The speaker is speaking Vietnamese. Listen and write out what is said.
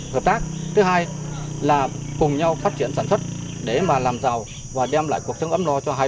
hợp tác thứ hai là cùng nhau phát triển sản xuất để mà làm giàu và đem lại cuộc sống ấm no cho hai